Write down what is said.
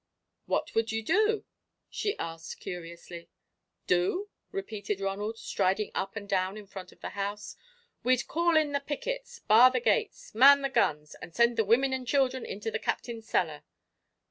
"What would you do?" she asked curiously. "Do?" repeated Ronald, striding up and down in front of the house; "we'd call in the pickets, bar the gates, man the guns, and send the women and children into the Captain's cellar."